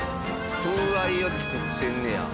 風合いを作ってんねや。